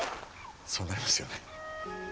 そうなりますよね。